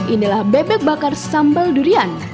inilah bebek bakar sambal durian